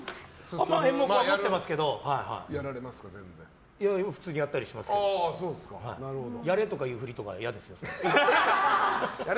僕は演目、持っていますから普通にやったりしますけどやれとかいう振りは嫌ですよ。